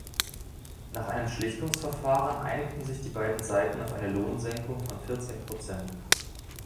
Nach einem Schlichtungsverfahren einigten sich die beiden Seiten auf eine Lohnsenkung von vierzehn Prozent.